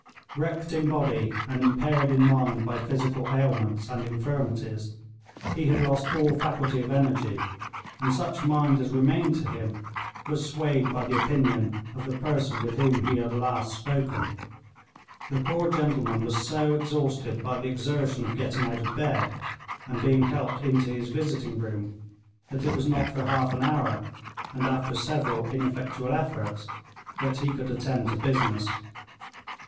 Wrecked in body and impaired in mind by physical ailments and infirmities, he had lost all faculty of energy, and such mind as remained to him was swayed by the opinion of the person with whom he had last spoken. The poor gentleman was so exhausted by the exertion of getting out of bed, and being helped into his visiting room, that it was not for half an hour, and after several ineffectual efforts, that he could attend to business.